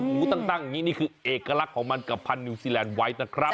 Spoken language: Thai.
หูตั้งอย่างนี้นี่คือเอกลักษณ์ของมันกับพันนิวซีแลนด์ไว้นะครับ